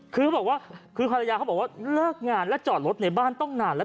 คือเขาบอกว่าคือภรรยาเขาบอกว่าเลิกงานและจอดรถในบ้านต้องนานแล้ว